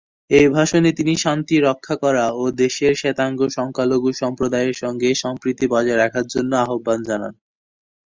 এই ভাষণে তিনি শান্তি রক্ষা করা ও দেশের শ্বেতাঙ্গ সংখ্যালঘু সম্প্রদায়ের সঙ্গে সম্প্রীতি বজায় রাখার জন্য আহবান জানান।